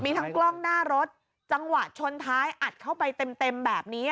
มีทั้งกล้องหน้ารถจังหวะชนท้ายอัดเข้าไปเต็มเต็มแบบนี้